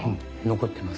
残ってます。